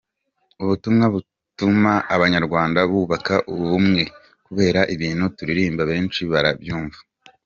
Ubutumwa butuma abanyarwanda bubaka ubumwe kubera ibintu turirimba benshi barabyumva.